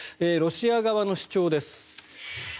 ロシア側の主張です。